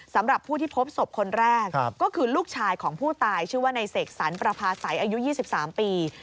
สำหรับผู้ที่พบศพคนแรกก็คือลูกชายของผู้ตายชื่อว่าในเสกสรรประพาสัยอายุ๒๓ปี